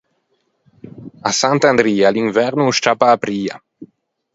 À sant’Andria l’inverno o scciappa a pria.